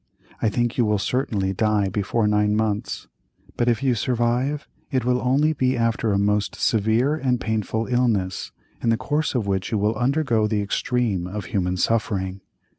I think you will certainly die before nine months, but if you survive, it will only be after a most severe and painful illness, in the course of which you will undergo the extreme of human suffering.